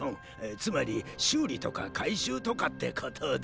つまり修理とか改修とかってことで。